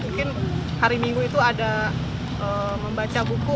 mungkin hari minggu itu ada membaca buku